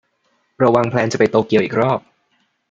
เราวางแพลนจะไปโตเกียวอีกรอบ